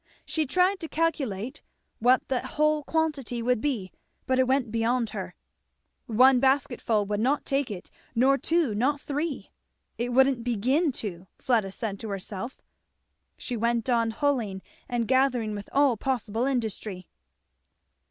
She tried to calculate what the whole quantity would be, but it went beyond her; one basketful would not take it, nor two, not three, it wouldn't begin to, Fleda said to herself. She went on hulling and gathering with all possible industry.